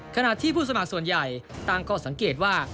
ขณะที่ผู้สมัครส่วนใหญ่ตั้งข้อสังเกตว่า